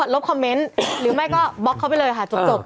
ลบคอมเมนต์หรือไม่ก็บล็อกเขาไปเลยค่ะจบ